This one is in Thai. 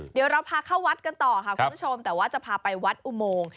เดี๋ยวเราพาเข้าวัดกันต่อค่ะคุณผู้ชมแต่ว่าจะพาไปวัดอุโมง